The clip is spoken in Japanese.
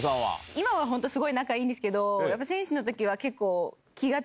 今はすごい仲いいんですけど選手の時は結構。